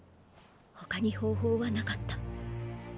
他に方法はなかった。